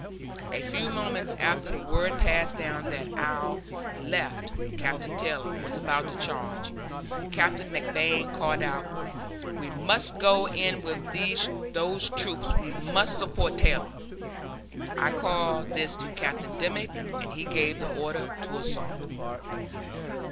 A few moments after the word passed down that our left (Captain Taylor) was about to charge. Captain McBlain called out, 'we must go in with those troops; we must support Taylor.' I called this to Captain Dimmick, and he gave the order to assault."